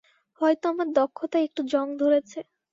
হয়তো আমার দক্ষতায় একটু জং ধরেছে।